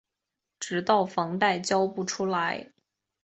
直到房贷付不出来